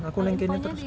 aku nengkehnya terus gitu